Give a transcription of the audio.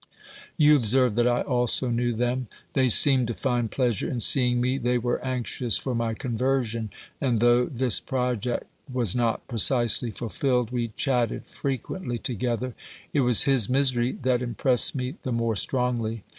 You observe that I also knew them. They seemed to find pleasure in seeing me ; they were anxious for my conversion • and though this jjroject was not precisely fulfilled, we M 178 OBERMANN chatted frequently together. It was his misery that im pressed me the more strongly.